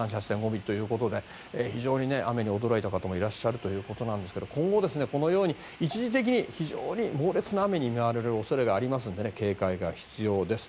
３８．５ミリということで非常に雨に驚いた方もいらっしゃるということですが今後、このように一時的に非常に猛烈な雨に見舞われる恐れがありますので警戒が必要です。